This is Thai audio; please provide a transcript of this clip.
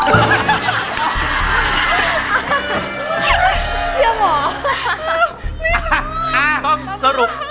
เชี่ยวเหรอ